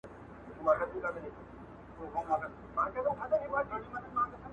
خوشحال بلله پښتانه د لندو خټو دېوال!!